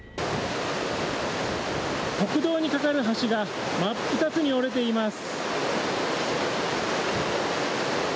国道に架かる橋が真っ二つに折れています。